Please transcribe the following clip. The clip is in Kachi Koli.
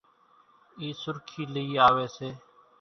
اِي سُرکِي لئِي آويَ سي۔